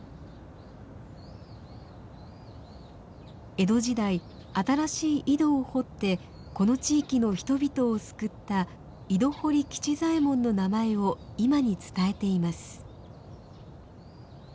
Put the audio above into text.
江戸時代新しい井戸を掘ってこの地域の人々を救った井戸掘吉左衛門の名前を今に伝えています。